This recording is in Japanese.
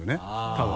多分。